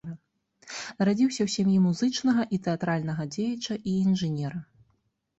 Нарадзіўся ў сям'і музычнага і тэатральнага дзеяча і інжынера.